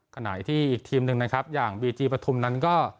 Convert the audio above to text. ขณะที่อีกทีมหนึ่งนะครับอย่างบีจีปฐุมนั้นก็